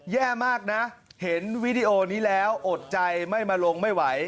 แย่มากนะเห็นวิดีโอนี้แล้วอดใจไม่มาลงไม่ไหว